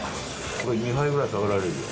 これ２杯ぐらい食べられるよ。